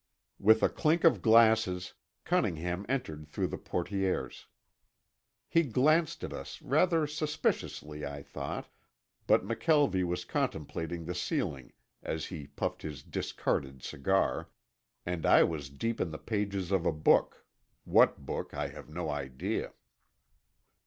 With a clink of glasses, Cunningham entered through the portieres. He glanced at us rather suspiciously, I thought, but McKelvie was contemplating the ceiling as he puffed his discarded cigar, and I was deep in the pages of a book, what book I have no idea.